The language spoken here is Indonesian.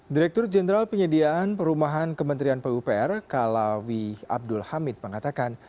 direktur jenderal penyediaan perumahan kementerian pupr kalawi abdul hamid mengatakan